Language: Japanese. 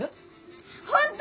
ホント？